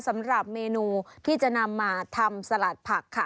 สำหรับเมนูที่จะนำมาทำสลัดผักค่ะ